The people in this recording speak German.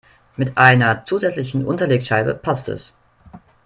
Mit einer zusätzlichen Unterlegscheibe passt es.